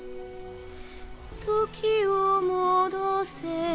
時を戻せ